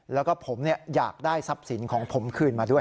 แล้วก็ผมอยากได้ทรัพย์สินของผมคืนมาด้วย